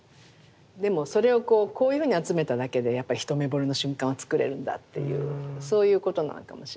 でもそれをこうこういうふうに集めただけでやっぱり一目ぼれの瞬間をつくれるんだっていうそういうことなのかもしれないですね。